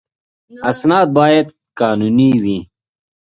اسناد باید قانوني وي.